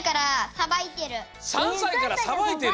３さいからさばいてる！？